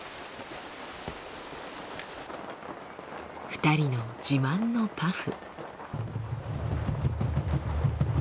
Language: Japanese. ２人の自慢のパフ。